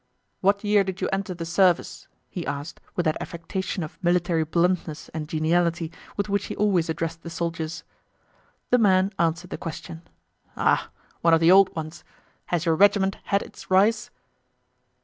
"What year did you enter the service?" he asked with that affectation of military bluntness and geniality with which he always addressed the soldiers. The man answered the question. "Ah! One of the old ones! Has your regiment had its rice?"